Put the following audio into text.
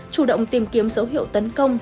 chủ động tìm kiếm dấu hiệu tấn công